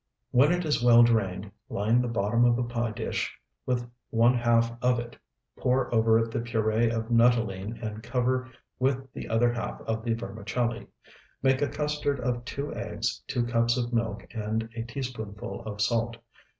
When it is well drained, line the bottom of a pie dish with one half of it. Pour over it the puree of nuttolene and cover with the other half of the vermicelli. Make a custard of two eggs, two cups of milk, and a teaspoonful of salt.